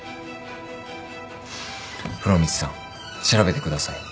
風呂光さん調べてください。